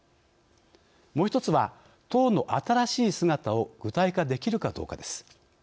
もう一つは、党の新しい姿を具体化できるかどうかです。